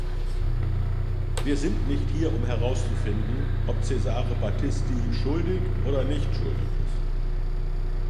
Wir sind nicht hier, um herauszufinden, ob Cesare Battisti schuldig oder nicht schuldig ist.